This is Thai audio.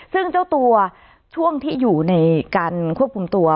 ซึ่งเจ้าตัวช่วงที่อยู่ในการควบคุมตัว